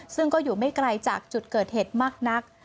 ซึ่งก็อยู่ไม่ไกลจากจุดเกิดเหตุมากนัก